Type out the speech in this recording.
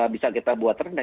bisa kita buat rendah